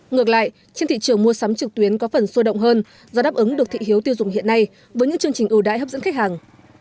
ngược lại trên thị trường mua sắm trực tuyến có phần sôi động hơn do đáp ứng được thị hiếu tiêu dùng hiện nay với những chương trình ưu đãi hấp dẫn khách hàng